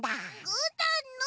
ぐーたんの！